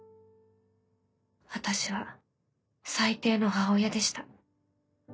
私は最低の母親でした。